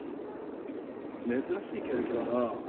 珍しい経歴だな。